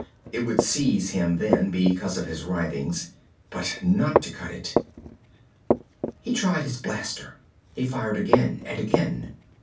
It would seize him then because of his writhings. But not to cut it He tried his blaster. He fired again and again.